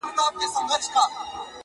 اوس مي د زړه قلم ليكل نه كوي-